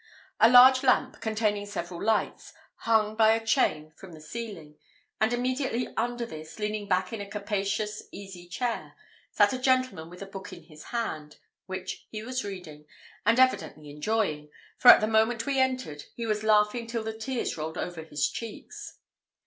A large lamp, containing several lights, hung by a chain from the ceiling, and immediately under this, leaning back in a capacious easy chair, sat a gentleman with a book in his hand, which he was reading, and evidently enjoying, for at the moment we entered he was laughing till the tears rolled over his cheeks.